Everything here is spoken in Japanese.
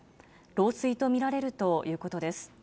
老衰と見られるということです。